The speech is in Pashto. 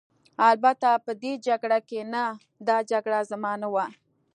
البته په دې جګړه کې نه، دا جګړه زما نه وه.